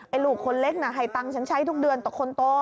ลูกคนเล็กน่ะให้ตังค์ฉันใช้ทุกเดือนต่อคนโต